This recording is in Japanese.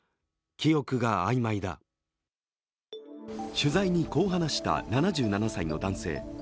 取材にこう話した７７歳の男性。